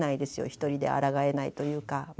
一人であらがえないというか。